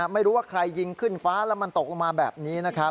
ไม่รู้ว่าใครยิงขึ้นฟ้าแล้วมันตกลงมาแบบนี้นะครับ